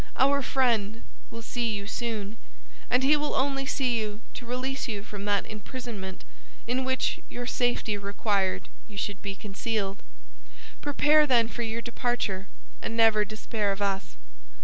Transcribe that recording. Our friend will see you soon, and he will only see you to release you from that imprisonment in which your safety required you should be concealed. Prepare, then, for your departure, and never despair of us.